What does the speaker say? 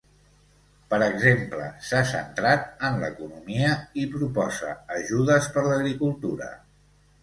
Per exemple, s'ha centrat en l'economia i proposa ajudes per l'agricultura.